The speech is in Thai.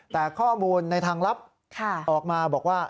แต่ข้อมูลในทางลับออกมาบอกว่า